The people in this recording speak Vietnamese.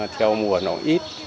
theo mùa nó ít